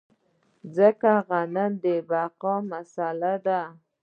ځکه غنم د بقا مسئله ده.